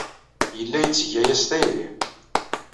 Yella yetteg aya s tayri.